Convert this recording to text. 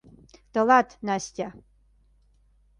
Тылат, Настя.